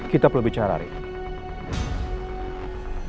kita perlu bicara rey